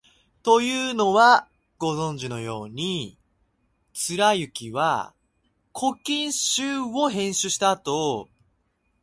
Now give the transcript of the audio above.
というのは、ご存じのように、貫之は「古今集」を編集したあと、